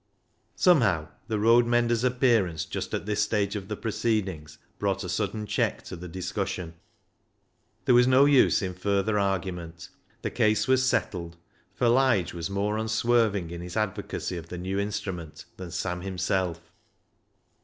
Somehow the road mender's appearance just at this stage of the proceedings brought a sudden check to the discussion. There was no use in further argument. The case was settled, for Lige was more unswerving in his advocacy of the new instrument than Sam himself.